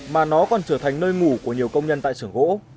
căn biệt thự chứa hàng trở thành nơi ngủ của nhiều công nhân tại sưởng gỗ